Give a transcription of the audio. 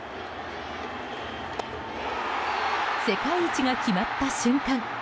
世界一が決まった瞬間